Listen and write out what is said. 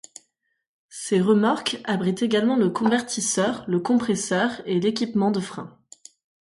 Ces remorques abritent également le convertisseur, le compresseur et l'équipement de frein.